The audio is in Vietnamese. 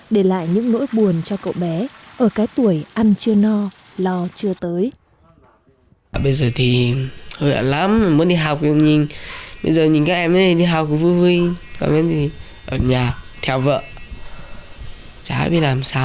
để lại những nỗi buồn cho cậu bé ở cái tuổi ăn chưa no lo chưa tới